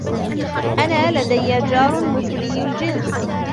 أنا لدي جار مثلي الجنس.